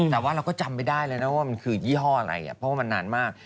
แต่ว่าเราก็จำไม่ได้เลยนะว่ามันคือยี่ห้ออะไรเพราะว่ามันนานมาก